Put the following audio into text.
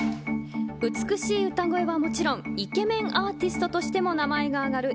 美しい歌声はもちろんイケメンアーティストとしても名前が挙がる